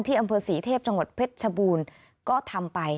ที่อำเภอสีเทพจังหวัดเพชรชบูนก็ทำไป